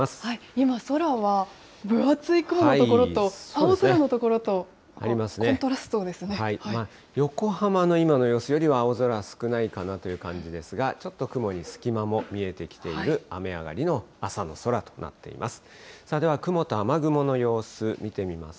今、空は分厚い雲の所と青空の所と、横浜の今の様子よりは青空少ないかなという感じですが、ちょっと雲に隙間も見えてきている、雨上がりの朝の空となっています。